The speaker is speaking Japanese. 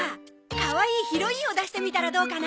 かわいいヒロインを出してみたらどうかな？